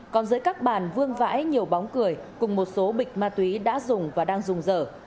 còn dưới các bàn vương vãi nhiều bóng cười cùng một số bịch ma túy đã dùng và đang rồng dở